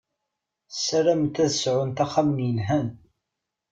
Sarament ad sɛunt ixxamen yelhan.